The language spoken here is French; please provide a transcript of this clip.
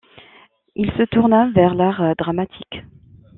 Il se tourna vers l'art dramatique.